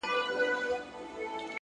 نو په سندرو کي به تا وينمه!